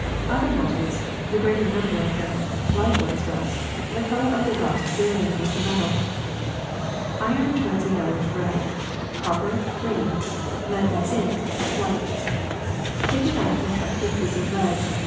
^^ Other metals, the greater number of them, like wise rust, the color of the rust varying with the metal. Iron turns a yellowish red; copper, green; lead and zinc, white. Take a knife and cut through a piece of lead.